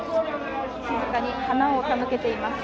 静かに花を手向けています。